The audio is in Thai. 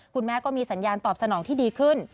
คุณแม่ก็มีสัญญาณตอบสนองที่ดีขึ้น